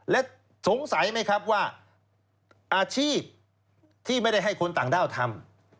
และสงสัยไหมครับว่าอาชีพที่ไม่ได้ให้คนต่างด้าวทำ